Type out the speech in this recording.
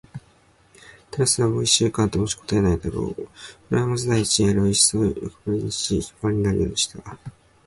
タラスはもう一週間と持ちこたえないだろう。おれはまず第一にあれをいっそうよくばりにし、肥満になるようにした。